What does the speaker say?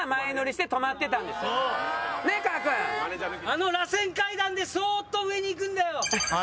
あの螺旋階段でそーっと上に行くんだよ！